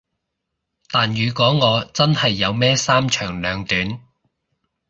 但如果我真係有咩三長兩短